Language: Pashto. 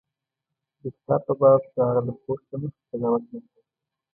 د کتاب په باب د هغه د پوښ له مخې قضاوت مه کوه.